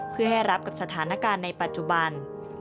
เพื่อให้รับกับสถานการณ์ในปัจจุบัน